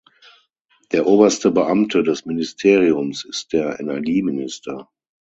Der oberste Beamte des Ministeriums ist der Energieminister.